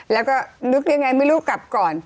แล้วก็นึกยังไงไม่รู้กลับก่อน